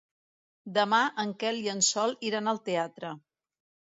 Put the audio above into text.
Demà en Quel i en Sol iran al teatre.